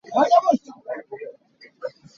Na mit chin tuah.